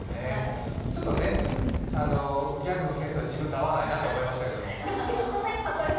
ちょっとね、ギャグのセンスは自分と合わないなと思いましたけどね。